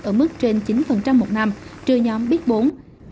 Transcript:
ở mức trên chín một năm trừ nhóm biết bốn